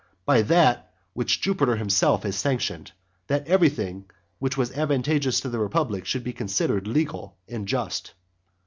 By that which Jupiter himself has sanctioned, that everything which was advantageous to the republic should be considered legal and just.